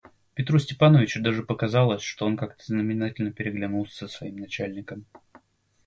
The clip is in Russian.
Петру Степановичу даже показалось, что он как-то знаменательно переглянулся с своим начальником.